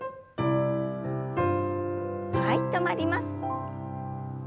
はい止まります。